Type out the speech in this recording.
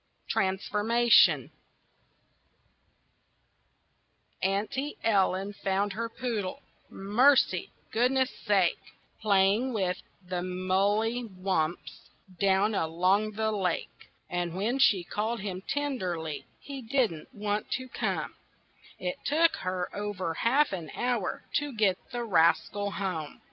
TRANSFORMATION Auntie Ellen found her poodle Mercy! Goodness sake! Playing with the mully wumps Down along the lake. And when she called him tenderly He didn't want to come; It took her over half an hour To get the rascal home.